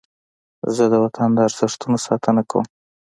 زه د وطن د ارزښتونو ساتنه کوم.